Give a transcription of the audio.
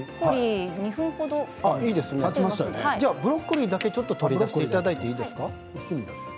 ブロッコリーだけ取り出していただいていいですか。